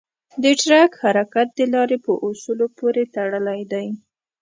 د ټرک حرکت د لارې په اصولو پورې تړلی دی.